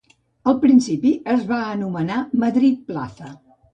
Al principi es va anomenar Madrid Plaza.